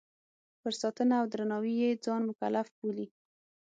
پر ساتنه او درناوي یې ځان مکلف بولي.